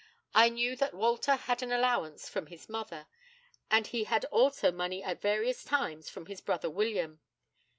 I knew that Walter had an allowance from his mother, and he had also money at various times from his brother William.